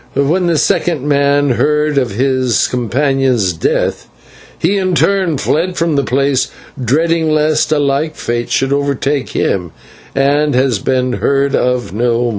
When the second man heard of his companion's death, he in turn fled from the place, dreading lest a like fate should overtake him, and has been no more heard of.